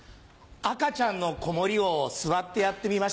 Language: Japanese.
赤ちゃんの子守を座ってやってみました。